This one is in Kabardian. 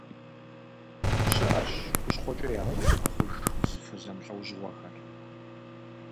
Щыӏэщ хущхъуэкӏэ яхуэмыгъэхъуж узыфэ зэмылӏэужьыгъуэхэр.